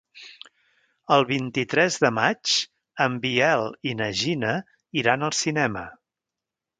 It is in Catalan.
El vint-i-tres de maig en Biel i na Gina iran al cinema.